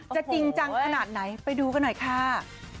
จริงจังขนาดไหนไปดูกันหน่อยค่ะ